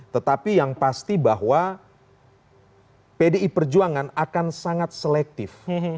tetapi yang pasti bahwa pdi perjuangan akan sangat selektif